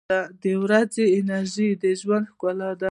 • د ورځې انرژي د ژوند ښکلا ده.